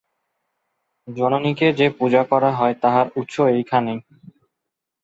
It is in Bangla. জননীকে যে পূজা করা হয়, তাহার উৎস এইখানেই।